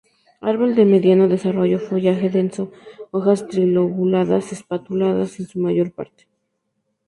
Árbol de mediano desarrollo, follaje denso, hojas trilobuladas espatuladas en su mayor parte.